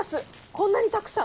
こんなにたくさん？